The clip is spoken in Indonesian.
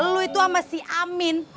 lu itu sama si amin